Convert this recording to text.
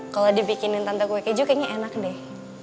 kalau dibikinin tante kue keju kayaknya enak deh